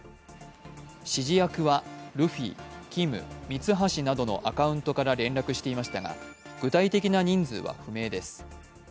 指示役はルフィ、キム、ミツハシなどのアカウントから連絡していましたが、具体的な人数は不明です。